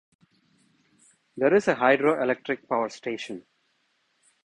There is a hydroelectric power station.